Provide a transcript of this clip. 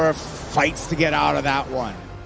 berjuang untuk keluar dari situ